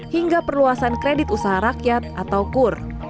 hingga perluasan kredit usaha rakyat atau kur